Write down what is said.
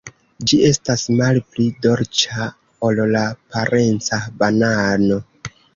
Ĝi estas malpli dolĉa ol la parenca banano.